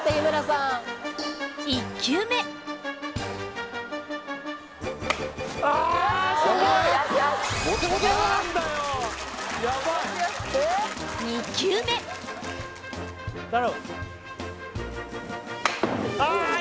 １球目２球目頼む